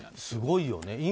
すごいよね。